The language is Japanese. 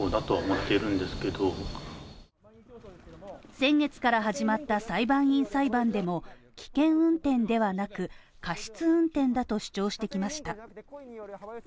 先月から始まった裁判員裁判でも危険運転ではなく、過失運転だと主張してきました